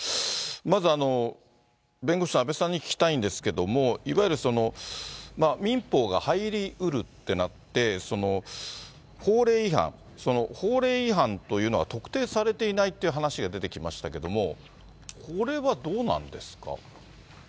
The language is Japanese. まずは弁護士の阿部さんに聞きたいんですけれども、いわゆる民法が入りうるってなって、法令違反、その法令違反というのは特定されていないって話が出てきましたけれども、これはどうなんですか。